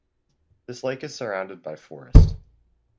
This lake is surrounded by forest.